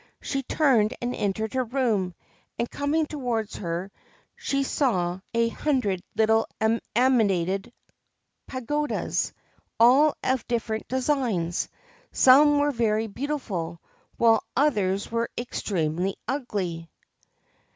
She turned and entered her room, and, coming towards her, she saw a THE GREEN SERPENT hundred little animated pagodas, all of different designs. Some were very beautiful, while others were extremely ugly.